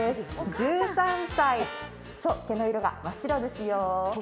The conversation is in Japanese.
１３歳、毛の色が真っ白ですよ。